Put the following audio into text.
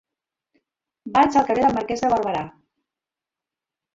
Vaig al carrer del Marquès de Barberà.